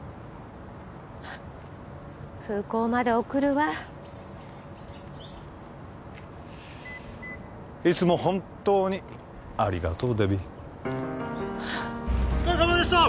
空港まで送るわいつも本当にありがとうデビーハッお疲れさまでした！